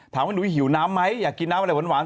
หนุ้ยหิวน้ำไหมอยากกินน้ำอะไรหวาน